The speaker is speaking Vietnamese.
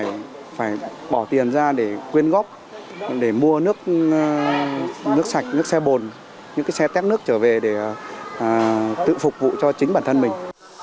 chúng tôi phải bỏ tiền ra để quyên góp để mua nước sạch nước xe bồn những cái xe tét nước trở về để tự phục vụ cho chính bản thân mình